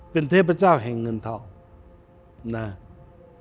เป็นเทพเจ้าแห่งเงินทองนะ